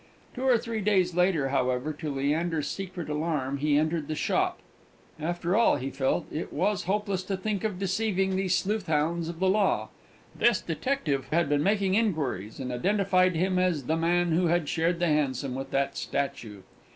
Two or three days later, however, to Leander's secret alarm, he entered the shop. After all, he felt, it was hopeless to think of deceiving these sleuth hounds of the Law: this detective had been making inquiries, and identified him as the man who had shared the hansom with that statue!